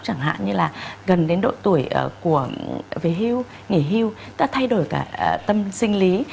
chẳng hạn như là gần đến độ tuổi về hưu nghỉ hưu đã thay đổi cả tâm sinh lý